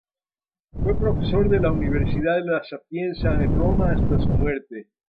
Fue profesor de la Universidad de La Sapienza en Roma hasta su muerte.